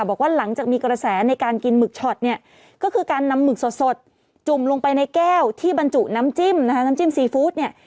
บอกว่าหลังจากมีกระแสในการกินหมึกช็อตเนี่ยก็คือการนำหมึกสดจุ่มลงไปในแก้วที่บรรจุน้ำจิ้มนะคะน้ำจิ้มซีฟู้ดเนี่ย